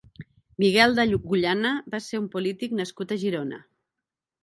Miquel d'Agullana va ser un polític nascut a Girona.